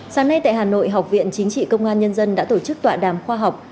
sáng nay tại hà nội học viện chính trị công an nhân dân đã tổ chức tọa đàm khoa học